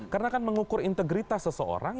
karena kan mengukur integritas seseorang